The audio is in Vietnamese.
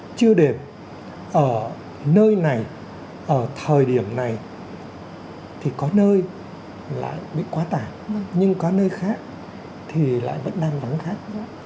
có chưa đẹp ở nơi này ở thời điểm này thì có nơi lại bị quá tả nhưng có nơi khác thì lại vẫn đang vắng khác